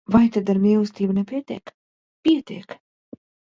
Vai tad ar mīlestību nepietiek? Pietiek!